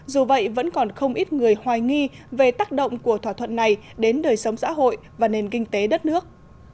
dù vậy vẫn còn không ít người hoài nghi về tác động của thỏa thuận này đến đời sống xã hội và nền kinh tế đất nước